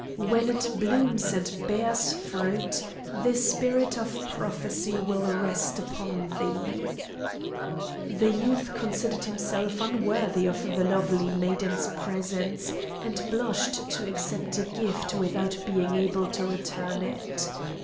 When it blooms and bears fruit the spirit of prophecy will rest upon thee." The youth considered himself unworthy of the lovely maiden's presents, and blushed to accept a gift without being able to return it.